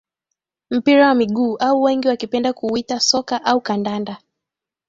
Mpira wa miguu au wengi wakipenda kuuita soka au kandanda